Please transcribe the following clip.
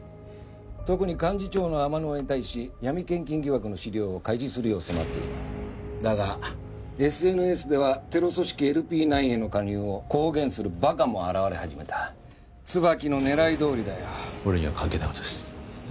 特に幹事長の天沼に対し闇献金疑惑の資料を開示するよう迫っているだがＳＮＳではテロ組織ＬＰ９への加入を公言するバカも現れ始めた椿の狙いどおりだよ俺には関係ないことです